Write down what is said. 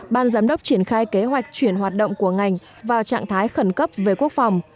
ban giám đốc triển khai kế hoạch chuyển hoạt động của ngành vào trạng thái khẩn cấp về quốc phòng